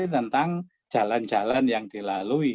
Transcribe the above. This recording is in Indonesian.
tentang jalan jalan yang dilalui